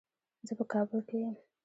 زه په کابل کې یم.